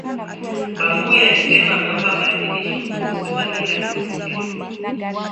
Bangui alisema ameomba marekebisho kuhusu dhamira ya kikosi chetu